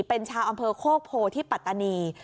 เป็นชาวอำเภอโคกโพที่ปัตตานี